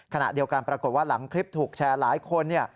ขณะเดียวกันปรากฏว่าหลังคลิปถูกแชร์หลายคน